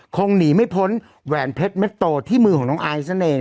คงหนีไม่พ้นแหวนเพชรเม็ดโตที่มือของน้องไอซ์นั่นเอง